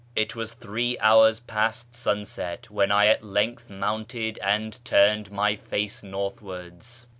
It was three hours past sunset when I at length mounted and turned my face northwards.